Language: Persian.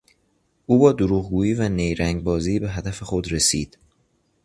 او با دروغگویی و نیرنگ بازی به هدف خود رسید.